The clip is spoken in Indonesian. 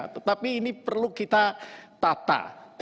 tetapi ini perlu kita tata